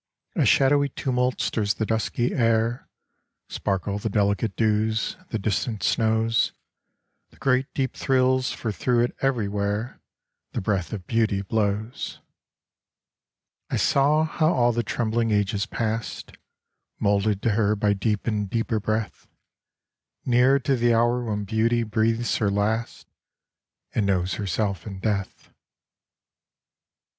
A shadowy tumult stirs the dusky air ; Sparkle the delicate dews, the distant snows ; The great deep thrills for through it everywhere The breath of Beauty blows. I saw how all the trembling ages past, Moulded to her by deep and deeper breath, Neared to the hour when Beauty breathes her last And knows herself in death.